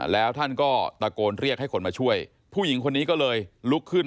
แล้วท่านก็ตะโกนเรียกให้คนมาช่วยผู้หญิงคนนี้ก็เลยลุกขึ้น